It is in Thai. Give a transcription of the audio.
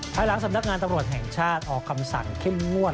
ภายหลังสำนักงานตำรวจแห่งชาติออกคำสั่งเข้มงวด